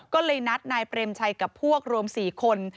ก็เลยนัดนายเปรมชัยกับพวกรวม๔คน